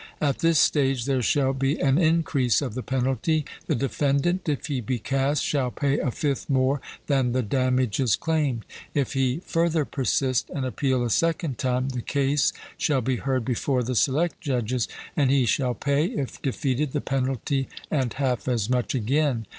At this stage there shall be an increase of the penalty: the defendant, if he be cast, shall pay a fifth more than the damages claimed. If he further persist, and appeal a second time, the case shall be heard before the select judges; and he shall pay, if defeated, the penalty and half as much again.